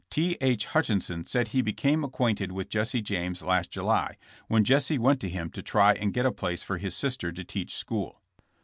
T. H. Hutchison said he became acquainted with Jesse James last July, when Jesse went to him to try and get a place for his lister to teach school.